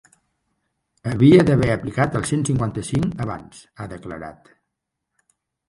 Havia d’haver aplicat el cent cinquanta-cinc abans, ha declarat.